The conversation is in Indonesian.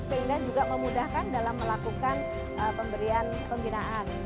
sehingga juga memudahkan dalam melakukan pemberian pembinaan